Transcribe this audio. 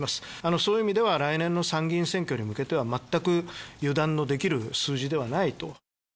そういう意味では、来年の参議院選挙に向けては、全く油断のできる数字ではないと。